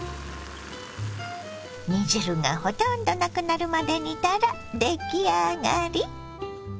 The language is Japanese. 煮汁がほとんどなくなるまで煮たら出来上がり。